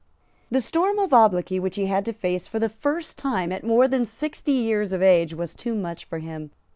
The storm of obloquy which he had to face for the first time at more than sixty years of age was too much for him.